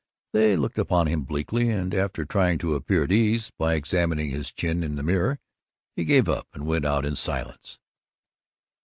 They looked upon him bleakly and, after trying to appear at ease by examining his chin in the mirror, he gave it up and went out in silence.